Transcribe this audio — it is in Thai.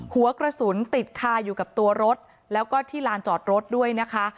หัวกระสุนติดคาอยู่กับตัวรถแล้วก็ที่ลานจอดรถด้วยนะคะ